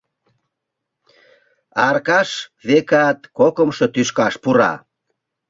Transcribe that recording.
Аркаш, векат, кокымшо тӱшкаш пура.